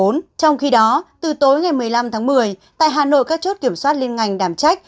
trong khi đó từ tối ngày một mươi năm tháng một mươi tại hà nội các chốt kiểm soát liên ngành đảm trách